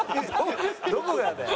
どこがだよ。